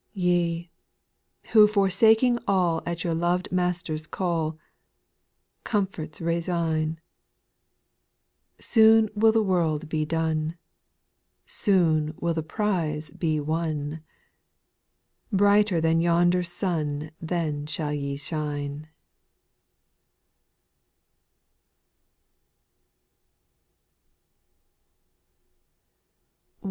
5. Ye, who forsaking all At your lov'd Master's call, Comforts resign ; Soon will the work be done, Soon will the prize be won, Brighter than yonder sun Then shall ye shine.